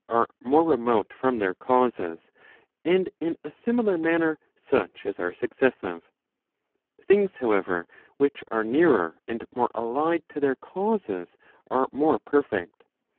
are more remote from their causes, and in a similar manner such as are successive. Things however, which are nearer and more allied to their causes, are more perfect.